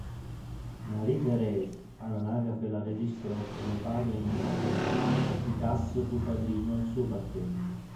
Marie-Thérèse all'angrafe la registrò come "padre ignoto"; Picasso fu padrino al suo battesimo.